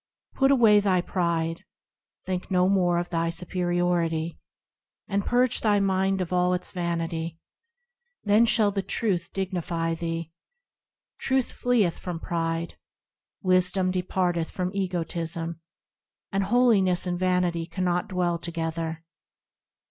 Put away thy Pride, Think no more of thy superiority, And purge thy mind of all its vanity ; Then shall the Truth dignify thee. Truth fleeth from pride ; Wisdom departeth from egotism ; And holiness and vanity cannot dwell together.